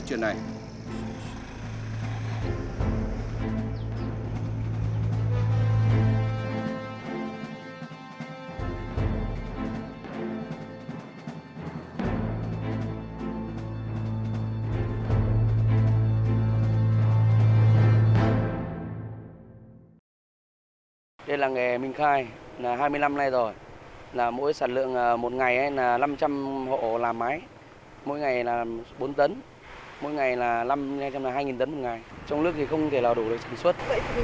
trong nước thì không thể nào đủ được sản xuất